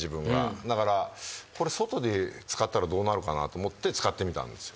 だからこれ外に使ったらどうなるかなと思って使ってみたんですよ。